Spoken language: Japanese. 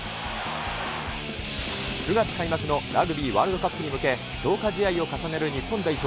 ９月開幕のラグビーワールドカップに向け、強化試合を重ねる日本代表。